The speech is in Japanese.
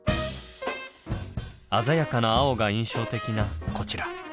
鮮やかな青が印象的なこちら。